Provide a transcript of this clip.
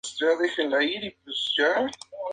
Estaba muy confundida".